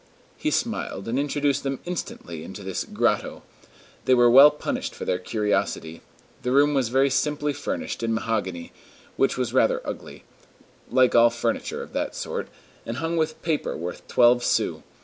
He smiled, and introduced them instantly into this "grotto." They were well punished for their curiosity. The room was very simply furnished in mahogany, which was rather ugly, like all furniture of that sort, and hung with paper worth twelve sous.